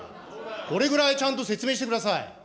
これぐらい、ちゃんと説明してください。